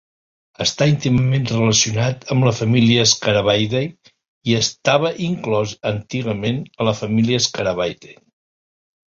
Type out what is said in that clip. Està íntimament relacionat amb la família Scarabaeidae i estava inclòs antigament a la família Scarabaeidae.